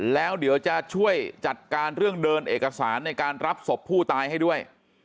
แล้วเดี๋ยวจะช่วยจัดการเรื่องเดินเอกสารในการรับศพผู้ตายให้ด้วย